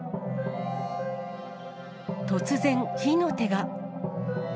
突然、火の手が。